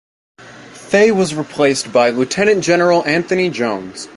Fay was replaced by Lieutenant General Anthony Jones.